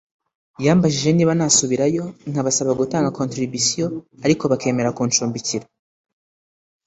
yambajije niba nasubirayo nkabasaba gutanga contribution ariko bakemera kuncumbikira